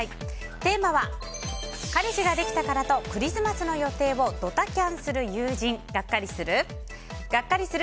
テーマは、彼氏ができたからとクリスマスの予定をドタキャンする友人ガッカリする？